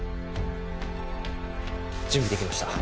準備できました。